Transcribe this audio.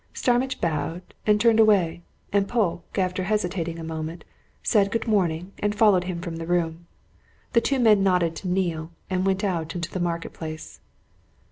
Starmidge bowed and turned away, and Polke, after hesitating a moment, said good morning and followed him from the room. The two men nodded to Neale and went out into the Market Place.